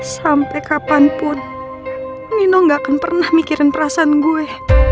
sampai kapanpun nino gak akan pernah mikirin perasaan gue